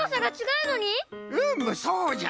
うむそうじゃ。